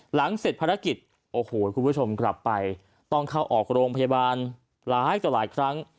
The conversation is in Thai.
หลังเสร็จภารกิจโอ้โหคุณผู้ชมกลับไปต้องเข้าออกโรงพยาบาลหลายต่อหลายครั้ง